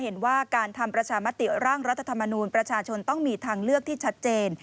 เห็นว่าการทำประชามติร่างรัฐธรรมนูญประชาชนต้องมีทางเลือกที่ชัดเจน